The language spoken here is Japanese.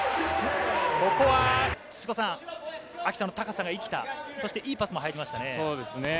ここは秋田の高さが生きたいいパスも入りましたね。